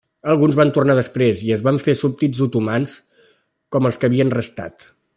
Alguns van tornar després i es van fer súbdits otomans com els que havien restat.